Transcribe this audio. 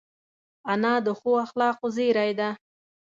انا د ښو اخلاقو زېری ده